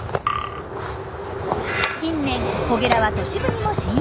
近年コゲラは都市部にも進出。